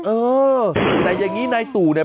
เออแต่อย่างนี้นายตู่เนี่ย